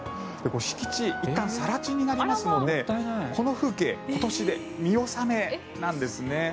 敷地はいったん更地になりますのでこの風景今年で見納めなんですね。